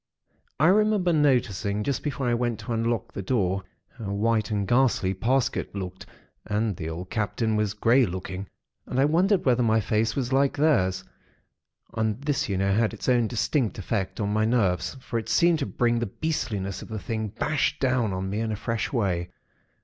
"I remember noticing, just before I went to unlock the door, how white and ghastly Parsket looked and the old Captain was grey looking; and I wondered whether my face was like theirs. And this, you know, had its own distinct effect upon my nerves; for it seemed to bring the beastliness of the thing bash down on me in a fresh way.